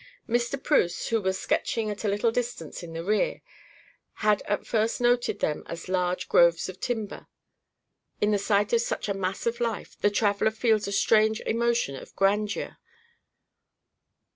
Mr. Preuss, who was sketching at a little distance in the rear, had at first noted them as large groves of timber. In the sight of such a mass of life, the traveler feels a strange emotion of grandeur.